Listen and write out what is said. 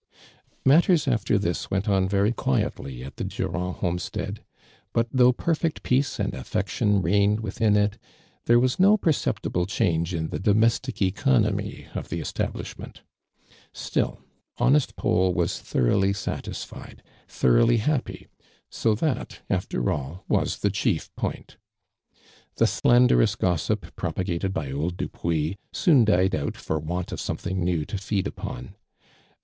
Matters after this went on veiy quietly at the Durand homestead, but though perfect peace and affection reigned within if, there was no perceptible change in the domestic economy of the establishment, dtill, honest Paul was thoroughly satisfied, thoroughly happy, bo that, after all, was the chief poini. The slanderouu gossip propa gated by old Dupuissoon died out for want of something new to feed upon.